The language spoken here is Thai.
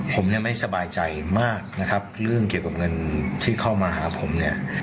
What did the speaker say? ผมเนี่ยไม่สบายใจมากนะครับเรื่องเกี่ยวกับเงินที่เข้ามาหาผมเนี่ย